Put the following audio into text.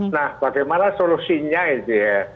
nah bagaimana solusinya itu ya